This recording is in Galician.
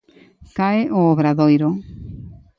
Cae o Obradoiro.